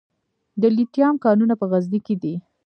د لیتیم کانونه په غزني کې دي